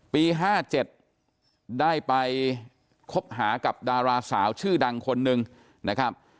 ปี๕๗ได้ไปคบหากับดาราสาวชื่อดังคนหนึ่งนะครับ